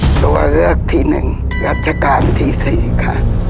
ตัวเลือกที่หนึ่งรัชกาลที่สี่ครับ